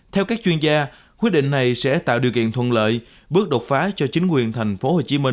theo các chuyên gia quyết định này sẽ tạo điều kiện thuận lợi bước đột phá cho chính quyền tp hcm